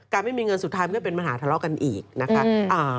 ไม่มีเงินสุดท้ายมันก็เป็นปัญหาทะเลาะกันอีกนะคะ